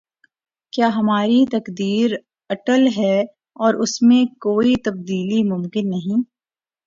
کیا ہماری تقدیر اٹل ہے اور اس میں کوئی تبدیلی ممکن نہیں؟